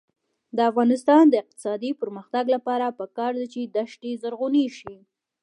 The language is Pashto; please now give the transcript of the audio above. د افغانستان د اقتصادي پرمختګ لپاره پکار ده چې دښتي زرغونې شي.